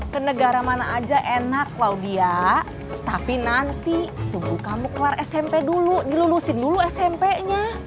ke negara mana aja enak laudia tapi nanti tunggu kamu kelar smp dulu dilulusin dulu smp nya